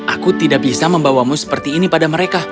aku tidak bisa membawamu seperti ini pada mereka